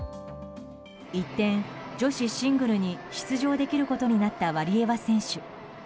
一転、女子シングルに出場できることになったワリエワ選手。